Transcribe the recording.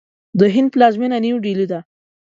د هند پلازمینه نوی ډهلي ده.